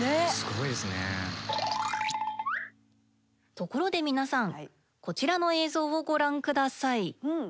ところで皆さんこちらの映像をご覧下さい。